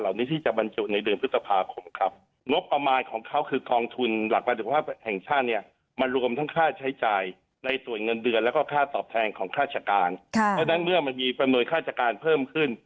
และดังเมื่อมันมีประโยชน์ข้าราชการเพิ่มขึ้น